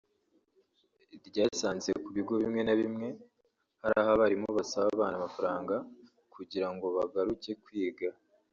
ryasanze ku bigo bimwe na bimwe hari aho abarimu basaba abana amafaranga kugira ngo bagaruke kwiga